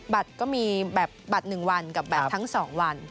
บัตรก็มีแบบบัตร๑วันกับบัตรทั้ง๒วัน